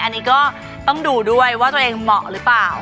อันนี้ก็ต้องดูด้วยว่าตัวเองเหมาะหรือเปล่า